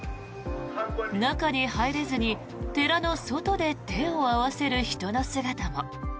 中に入れずに寺の外で手を合わせる人の姿も。